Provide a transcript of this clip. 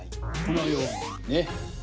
このようにね。